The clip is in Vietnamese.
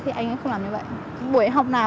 thì anh không làm như vậy buổi học nào